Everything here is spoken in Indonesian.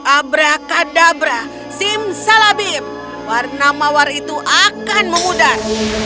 abra kadabra simsalabim warna mawar itu akan memudar